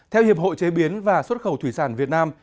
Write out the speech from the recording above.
theo hiệp hội chế biến và xuất khẩu thủy sản việt nam